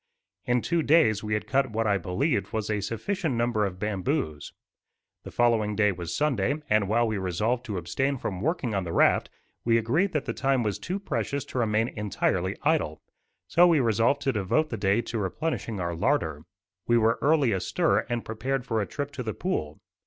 In two days we had cut what I believed was a sufficient number of bamboos. The following day was Sunday; and while we resolved to abstain from working on the raft, we agreed that the time was too precious to remain entirely idle; so we resolved to devote the day to replenishing our larder. We were early astir and prepared for a trip to the pool.